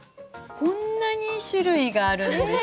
こんなに種類があるんです。